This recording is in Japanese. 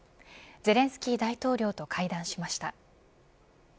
ゼレンスキー大統領と会談しました。